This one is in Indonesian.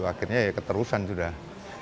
akhirnya ya keterusan sudah